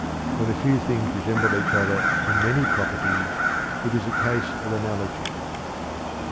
When a few things resemble each other in many properties, it is a case of analogy."